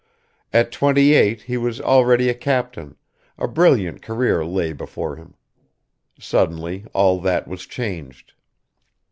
At twenty eight he was already a captain; a brilliant career lay before him. Suddenly all that was changed.